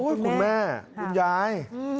โอ้โฮคุณแม่คุณยาย